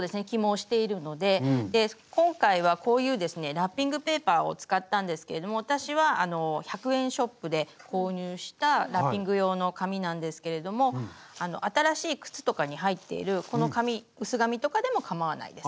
ラッピングペーパーを使ったんですけれども私は１００円ショップで購入したラッピング用の紙なんですけれども新しい靴とかに入っているこの紙薄紙とかでもかまわないです。